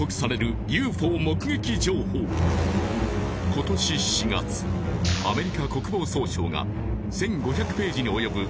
ここ数年今年４月アメリカ国防総省が１５００ページにおよぶ